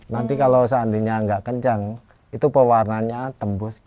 nanti kalau seandainya nggak kencang itu pewarna nya tembus ke